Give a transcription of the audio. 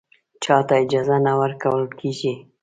چا ته اجازه نه ورکول کېږي